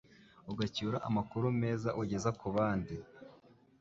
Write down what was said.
ugacyura amakuru meza ugeza ku bandi,